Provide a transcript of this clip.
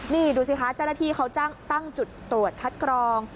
นี่ดูสิคะเจ้าหน้าที่เขาตั้งจุดตรวจคัดกรอง